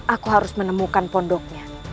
aku harus menemukan pondoknya